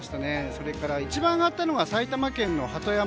それから一番上がったのが埼玉県の鳩山。